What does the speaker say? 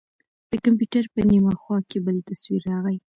د کمپيوټر په نيمه خوا کښې بل تصوير راغى.